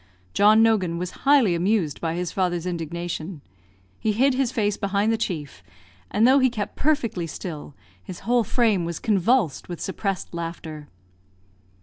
John Nogan was highly amused by his father's indignation. He hid his face behind the chief; and though he kept perfectly still, his whole frame was convulsed with suppressed laughter.